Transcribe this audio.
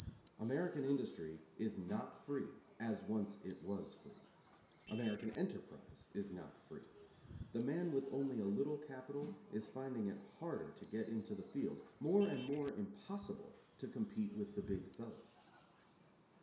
American industry is not free, as once it was free; American enterprise is not free; the man with only a little capital is finding it harder to get into the field, more and more impossible to compete with the big fellow.